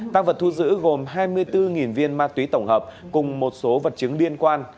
tăng vật thu giữ gồm hai mươi bốn viên ma túy tổng hợp cùng một số vật chứng liên quan